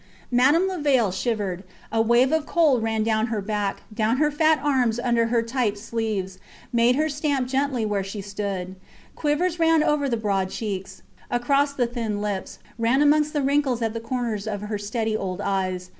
Madame Levaille shivered. A wave of cold ran down her back, down her fat arms under her tight sleeves, made her stamp gently where she stood. Quivers ran over the broad cheeks, across the thin lips, ran amongst the wrinkles at the corners of her steady old eyes.